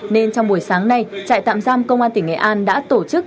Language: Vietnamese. nên trong buổi sáng nay trại tạm giam công an tỉnh nghệ an đã tổ chức